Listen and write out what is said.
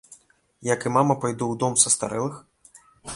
Як і мама, пайду ў дом састарэлых.